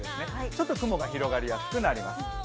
ちょっと雲が広がりやすくなります。